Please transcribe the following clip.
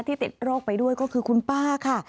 ติดโรคไปด้วยก็คือคุณป้าค่ะ